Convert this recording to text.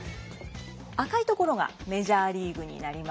赤い所がメジャーリーグになります。